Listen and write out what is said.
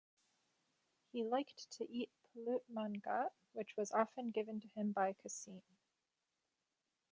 He liked to eat 'Pulut Mangat' which was often given to him by Kasim.